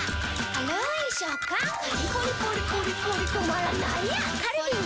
軽ーい食感カリッポリポリポリポリ止まらないやつカルビー！